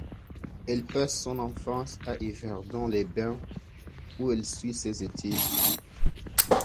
Elle passe son enfance à Yverdon-les-Bains où elle suit ses études.